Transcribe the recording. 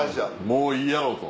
もういいやろと。